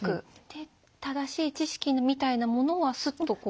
で正しい知識みたいなものはスッとこう差し出す？